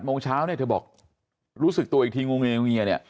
โมงเช้าเนี่ยเธอบอกรู้สึกตัวอีกทีงวงเงียเนี่ย